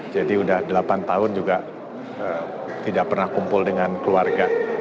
jadi udah delapan tahun juga tidak pernah kumpul dengan keluarga